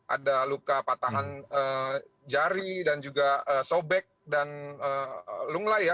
ada luka patahan jari dan juga sobek dan lunglai ya